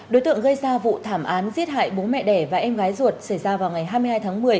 đối tượng gây ra vụ thảm án giết hại bố mẹ đẻ và em gái ruột xảy ra vào ngày hai mươi hai tháng một mươi